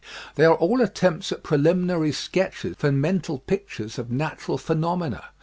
They are all attempts at preliminary sketches for mental pictures of natural phenomena.